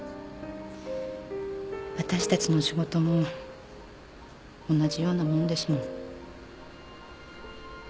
私たちの仕事も同じようなもんですもん。